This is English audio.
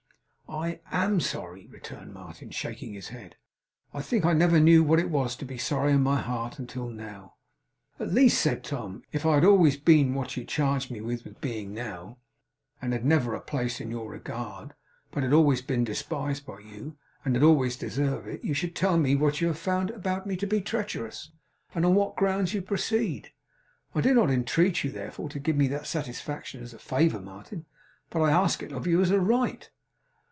'I AM sorry,' returned Martin, shaking his head. 'I think I never knew what it was to be sorry in my heart, until now.' 'At least,' said Tom, 'if I had always been what you charge me with being now, and had never had a place in your regard, but had always been despised by you, and had always deserved it, you should tell me in what you have found me to be treacherous; and on what grounds you proceed. I do not intreat you, therefore, to give me that satisfaction as a favour, Martin, but I ask it of you as a right.